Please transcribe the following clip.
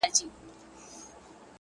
نه پاته کيږي؛ ستا د حُسن د شراب؛ وخت ته؛